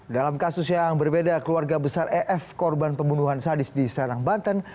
dalam kasus yang berbeda keluarga besar ef korban pembunuhan sadis di serang banten